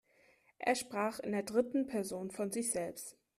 Er sprach in der dritten Person von sich selbst.